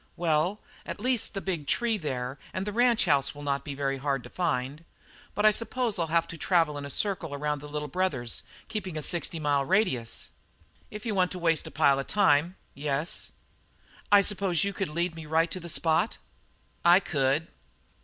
"Well, at least the big tree there and the ranchhouse will not be very hard to find. But I suppose I'll have to travel in a circle around the Little Brothers, keeping a sixty mile radius?" "If you want to waste a pile of time. Yes." "I suppose you could lead me right to the spot?" "I could."